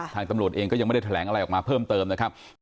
ตำรวจเองก็ยังไม่ได้แถลงอะไรออกมาเพิ่มเติมนะครับ